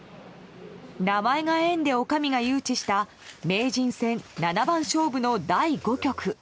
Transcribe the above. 名前が縁で女将が誘致した名人戦七番勝負の第５局。